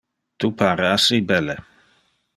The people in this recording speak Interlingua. Tu pare assi belle.